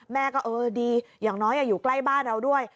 แม่ก็เออดีอย่างน้อยอยู่ใกล้บ้านเราด้วย